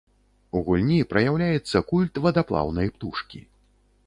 У гульні праяўляецца культ вадаплаўнай птушкі.